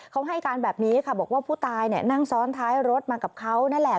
เขาให้การแบบนี้ค่ะบอกว่าผู้ตายนั่งซ้อนท้ายรถมากับเขานั่นแหละ